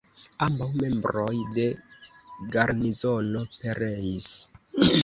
Ambaŭ membroj de garnizono pereis.